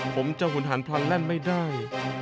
ผมจะหุนหันพลันแล่นไม่ได้